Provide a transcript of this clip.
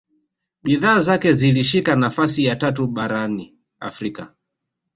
bidhaa zake zilishika nafasi ya tatu barani afrika